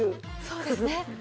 そうですね。